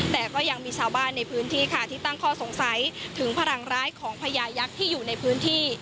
แต่ก็ยังมีชาวบ้านในพื้นที่ค่ะที่ตั้งข้อสงสัยถึงพลังร้ายของพญายักษ์ที่อยู่ในพื้นที่